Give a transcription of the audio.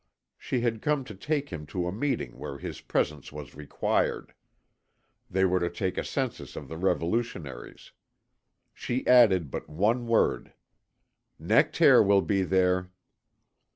She had come to take him to a meeting where his presence was required. They were to take a census of the revolutionaries. She added but one word: "Nectaire will be there."